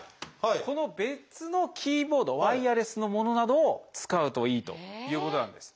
この別のキーボードワイヤレスのものなどを使うといいということなんです。